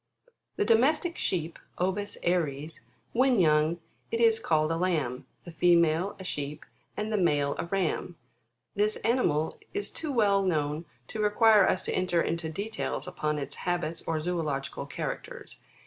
5. The Domestic Sheep, Ovis Jiries: when young, it is called a lamb, the female, a sheep, and the male a ram ; this ani mal is too well known to require us to enter into details upon its habits or zoological characters.